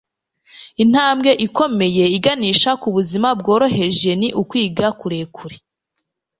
intambwe ikomeye iganisha ku buzima bworoheje ni ukwiga kurekura